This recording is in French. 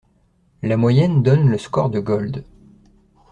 La moyenne donne le score de Golde.